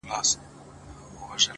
ژړا سلگۍ زما د ژوند د تسلسل نښه ده